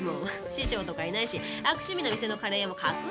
師匠とかいないし悪趣味な店のカレー屋も架空ですって。